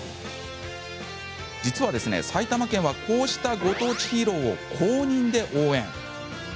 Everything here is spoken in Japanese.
実は埼玉県は、こうしたご当地ヒーローを公認で応援。